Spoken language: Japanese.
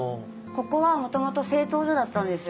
ここはもともと製陶所だったんですよ。